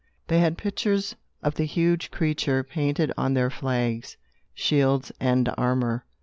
They had pictures of the huge creature painted on their flags, shields and armor.